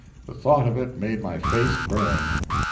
The thought of it made my face burn.